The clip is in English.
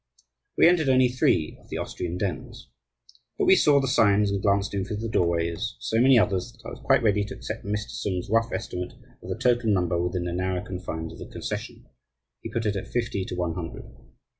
We entered only three of the Austrian dens. But we saw the signs and glanced in through the doorways of so many others that I was quite ready to accept Mr. Sung's rough estimate of the total number within the narrow confines of the concession: he put it at fifty to one hundred.